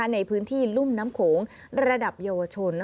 ในพื้นที่รุ่มน้ำโขงระดับเยาวชน